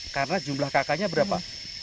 karena jumlah kakaknya berapa